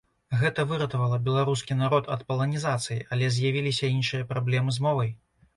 Гэта выратавала беларускі народ ад паланізацыі, але з'явіліся іншыя праблемы з мовай.